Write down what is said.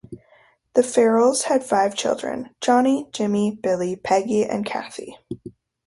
The Farrells had five children: Johnny, Jimmy, Billy, Peggy, and Cathy.